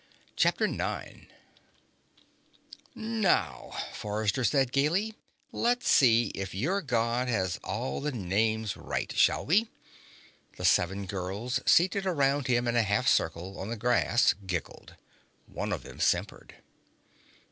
CHAPTER NINE "Now," Forrester said gaily, "let's see if your God has all the names right, shall we?" The seven girls seated around him in a half circle on the grass giggled. One of them simpered.